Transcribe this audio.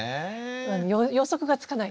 予測がつかないです。